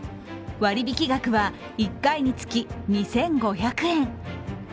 割り引き額は１回につき２５００円。